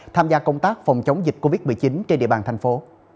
tham gia công tác phòng chống dịch covid một mươi chín trên địa bàn thành phố